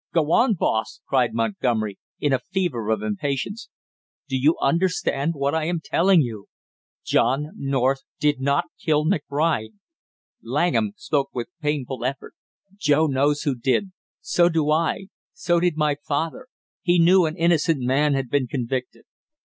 "Go on, boss!" cried Montgomery, in a fever of impatience. "Do you understand what I am telling you? John North did not kill McBride!" Langham spoke with painful effort. "Joe knows who did so do I so did my father he knew an innocent man had been convicted!"